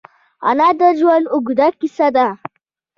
انا د ژوند اوږده کیسه ده